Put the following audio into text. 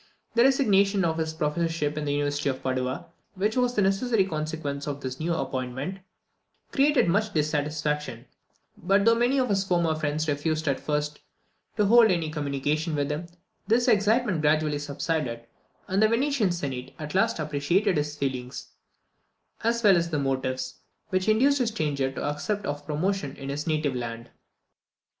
The resignation of his professorship in the university of Padua, which was the necessary consequence of his new appointment, created much dissatisfaction: but though many of his former friends refused at first to hold any communication with him, this excitement gradually subsided; and the Venetian senate at last appreciated the feelings, as well as the motives, which induced a stranger to accept of promotion in his native land.